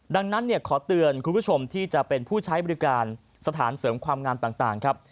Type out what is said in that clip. ดังนั้นขอเตือนคุณผู้ชมที่จะเป็นผู้ใช้บริการสถานเสริมความงามต่างครับ